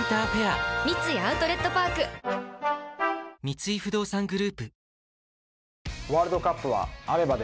三井不動産グループ